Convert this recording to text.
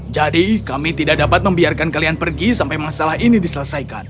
jadi kami tidak dapat membiarkan kalian pergi sampai masalah ini diselesaikan